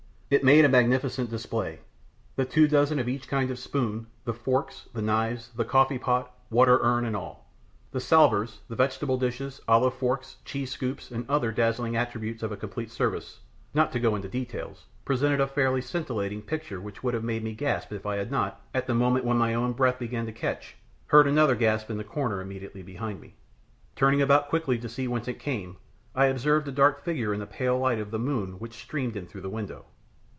It made a magnificent display: the two dozen of each kind of spoon, the forks, the knives, the coffee pot, water urn, and all; the salvers, the vegetable dishes, olive forks, cheese scoops, and other dazzling attributes of a complete service, not to go into details, presented a fairly scintillating picture which would have made me gasp if I had not, at the moment when my own breath began to catch, heard another gasp in the corner immediately behind me. Turning about quickly to see whence it came, I observed a dark figure in the pale light of the moon which streamed in through the window.